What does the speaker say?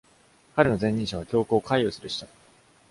彼の前任者は教皇カイウスでした。